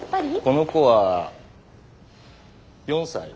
この子は４歳？